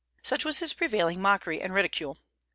Such was his prevailing mockery and ridicule.